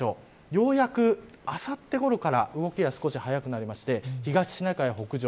ようやく、あさってごろから動きが少し早くなって東シナ海北上